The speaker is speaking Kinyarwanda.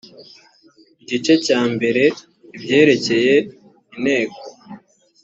igice cya mbere ibyerekeye inteko